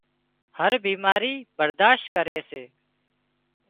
هر بيماري برادشت ڪري سي